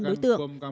thả năm đối tượng